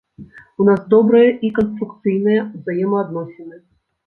У нас добрыя і канструкцыйныя ўзаемаадносіны.